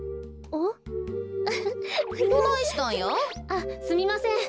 あっすみません。